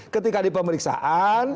ketika di pemeriksaan